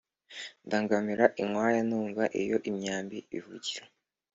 Ndangamira inkwaya numva iyo imyambi ivugira